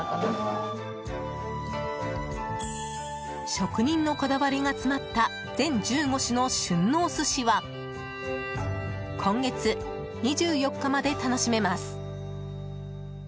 職人のこだわりが詰まった全１５種の旬のお寿司は今月２４日まで楽しめます。